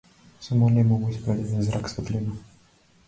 Само нему му испрати еден зрак светлина.